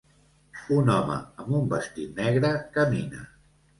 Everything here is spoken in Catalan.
Un home amb un vestit negre camina.